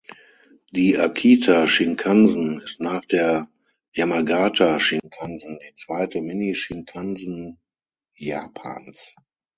Die Akita-Shinkansen ist nach der Yamagata-Shinkansen die zweite Mini-Shinkansen Japans.